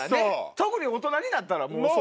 特に大人になったらもうそう。